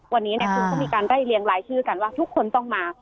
วันนี้คุณก็มีการไล่เรียงรายชื่อกันว่าทุกคนต้องมา